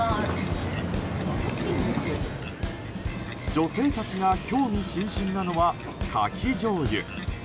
女性たちが興味津々なのはカキじょうゆ。